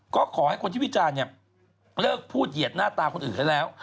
ก็ขอให้คนที่วิจารณ์เนี่ยเลิกพูดเหยียดหน้าตาคนอื่นให้แล้ว